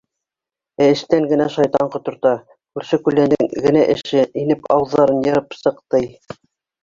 Ә эстән генә шайтан ҡоторта, күрше-күләндең генә эше, инеп ауыҙҙарын йырып сыҡ, тей.